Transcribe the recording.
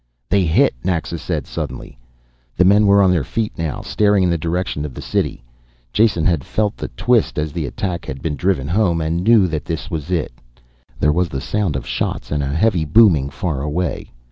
"They hit!" Naxa said suddenly. The men were on their feet now, staring in the direction of the city. Jason had felt the twist as the attack had been driven home, and knew that this was it. There was the sound of shots and a heavy booming far away.